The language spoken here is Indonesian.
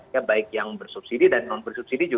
ya baik yang bersubsidi dan non bersubsidi juga